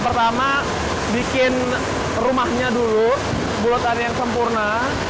pertama bikin rumahnya dulu bulatan yang sempurna